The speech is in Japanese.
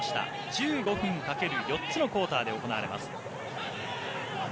１５分掛ける４つのクオーターで行われます。